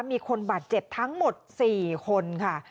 มีคนบาดเจ็บทั้งหมด๔คนค่ะ